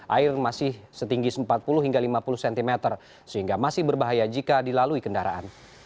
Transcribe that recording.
air masih setinggi empat puluh hingga lima puluh cm sehingga masih berbahaya jika dilalui kendaraan